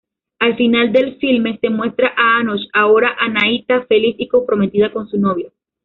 Al final del filme se muestra a Anoosh--ahora Anahita--feliz y comprometida con su novio.